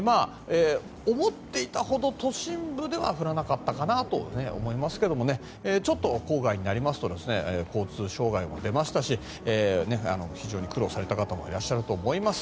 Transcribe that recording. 思っていたほど、都心部では降らなかったかなと思いますがちょっと郊外になりますと交通障害も出ましたし非常に苦労された方もいらっしゃったかと思います。